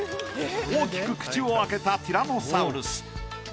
大きく口を開けたティラノサウルス。